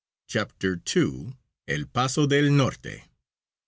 CHAPTER II. EL PASO DEL NORTE.